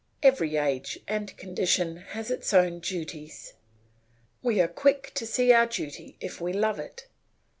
Every age and condition has its own duties. We are quick to see our duty if we love it.